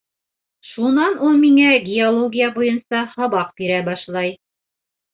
Шунан ул миңә геология буйынса һабаҡ бирә башлай...